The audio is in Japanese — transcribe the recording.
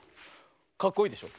かっこいいでしょ。